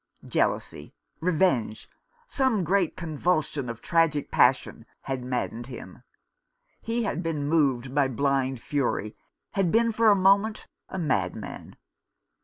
Jealousy, revenge, some great convulsion of tragic passion, had maddened him. He had been moved by blind fury, had been for a moment a madman.